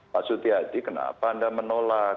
pak sutiadi kenapa anda menolak